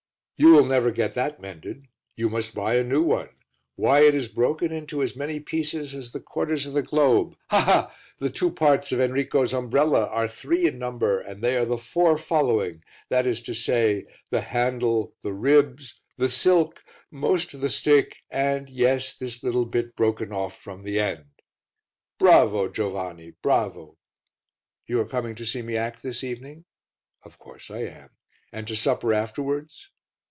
"You will never get that mended. You must buy a new one. Why, it is broken into as many pieces as the quarters of the globe. Ha, ha! The two parts of Enrico's umbrella are three in number and they are the four following, viz. the handle, the ribs, the silk, most of the stick and and yes, and this little bit broken off from the end." "Bravo, Giovanni, bravo!" "You are coming to see me act this evening?" "Of course I am." "And to supper afterwards?"